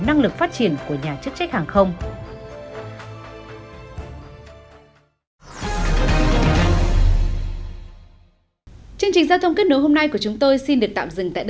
năng lực phát triển của nhà chức trách hàng không